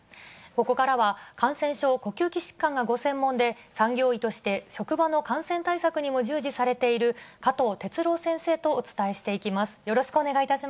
ここからは、感染症、呼吸器疾患がご専門で、産業医として職場の感染対策にも従事されている加藤哲朗先生とお伝えしていきます。